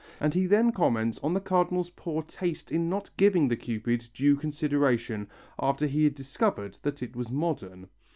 and he then comments on the Cardinal's poor taste in not giving the Cupid due consideration after he had discovered that it was modern.